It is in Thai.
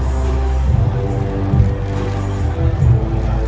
สโลแมคริปราบาล